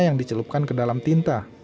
yang dicelupkan ke dalam tinta